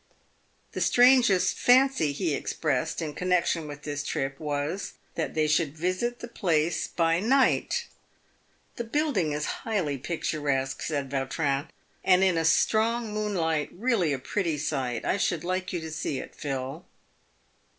The strangest fancy he expressed in connexion with this trip was, that they should visit the place by night. " The building is highly picturesque," said PAVED WITH GOLD. 351 Vautrin, " and in a strong moonlight really a pretty sight. I should like you to see it, Phil."